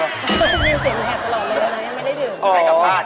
ไม่เสียงแหบตลอดเลยนะยังไม่ได้ดื่ม